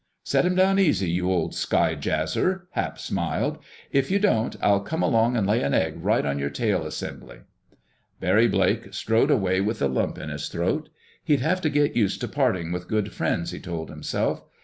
"Set 'em down easy, you old sky jazzer!" Hap smiled. "If you don't, I'll come along and lay an egg right on your tail assembly." Barry Blake strode away with a lump in his throat. He'd have to get used to parting with good friends, he told himself.